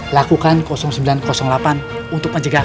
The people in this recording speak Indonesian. lakukan sembilan ratus delapan untuk menjaga